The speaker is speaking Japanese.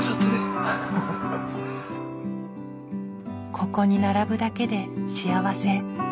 ここに並ぶだけで幸せ。